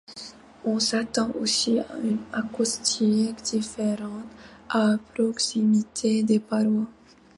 On s'attend aussi à une acoustique différente à proximité des parois.